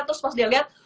terus pas dia liat